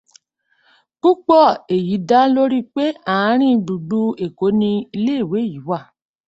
Púpọ̀ èyí dá lórí pé ààrin gbùgbù Èkó ní iléèwé yí wà.